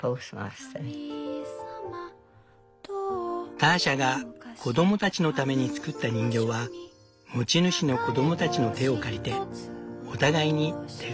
ターシャが子供たちのために作った人形は持ち主の子供たちの手を借りてお互いに手紙のやり取りをした。